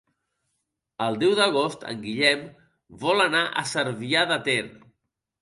El deu d'agost en Guillem vol anar a Cervià de Ter.